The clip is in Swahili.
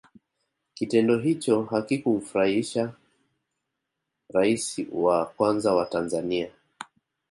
kitendo hicho hakikumfurahisha raisi wa kwanza wa tanzania